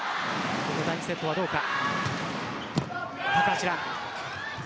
この第２セットはどうか。